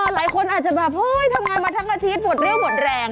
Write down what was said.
หลายคนอาจจะแบบเฮ้ยทำงานมาทั้งอาทิตย์หมดเรี่ยวหมดแรง